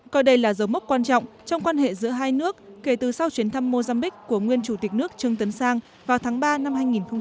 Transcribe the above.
coi đây là dấu mốc quan trọng trong quan hệ giữa hai nước kể từ sau chuyến thăm mozambique của nguyên chủ tịch nước trương tấn sang vào tháng ba năm hai nghìn hai mươi